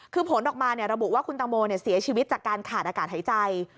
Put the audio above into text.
คือผลออกมาระบุว่าคุณตังโมเสียชีวิตจากการขาดอากาศหายใจ